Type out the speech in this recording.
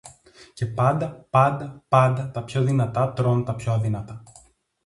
Και πάντα, πάντα, πάντα τα πιο δυνατά τρων τα πιο αδύνατα